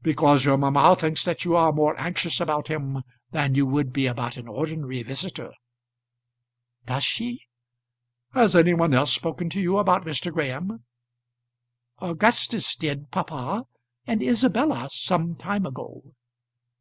"Because your mamma thinks that you are more anxious about him than you would be about an ordinary visitor." "Does she?" "Has any one else spoken to you about Mr. Graham?" "Augustus did, papa; and Isabella, some time ago."